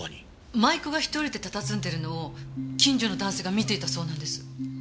舞妓が１人でたたずんでるのを近所の男性が見ていたそうなんです。